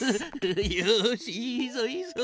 よしいいぞいいぞ。